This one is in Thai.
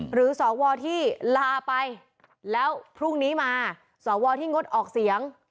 สวที่ลาไปแล้วพรุ่งนี้มาสวที่งดออกเสียง